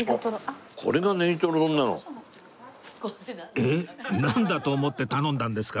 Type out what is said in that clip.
えっなんだと思って頼んだんですか？